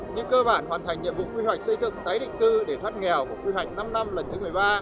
nhưng cơ bản hoàn thành nhiệm vụ quy hoạch xây dựng tái định cư để thoát nghèo của quy hoạch năm năm lần thứ một mươi ba